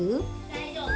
大丈夫。